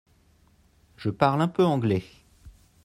Je parle un peu anglais.